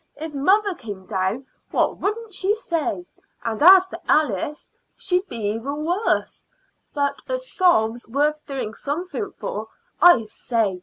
If mother came down" what wouldn't she say? And as to Alice, she'd be even worse. But a sov.'s worth doing something for. I say!